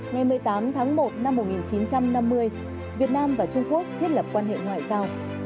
ngày một mươi tám tháng một năm một nghìn chín trăm năm mươi việt nam và trung quốc thiết lập quan hệ ngoại giao